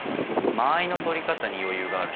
間合いのとり方に余裕がある。